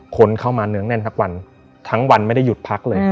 คนเข้ามาเนื้องแน่นทั้งวันทั้งวันไม่ได้หยุดพักเลย